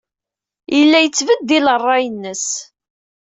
Yella yettbeddil ṛṛay-nnes.